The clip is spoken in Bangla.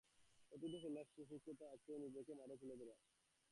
প্রতিটি খেলোয়াড়ের স্বকীয়তা আছে, আছে নিজেকে মাঠে তুলে ধরার নিজস্ব স্টাইল।